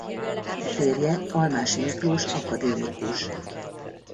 Férje Almási Miklós akadémikus.